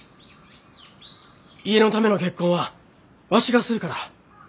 家のための結婚はわしがするから。